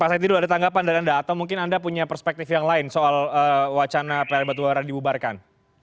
pak said tidur ada tanggapan dari anda atau mungkin anda punya perspektif yang lain soal wacana pln batubara dibubarkan